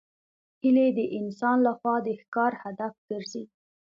هیلۍ د انسان له خوا د ښکار هدف ګرځي